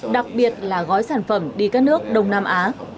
đặc biệt là gói sản phẩm đi các nước đông nam á